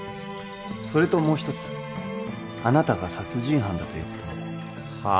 それともう一つあなたが殺人犯だということもねはあ？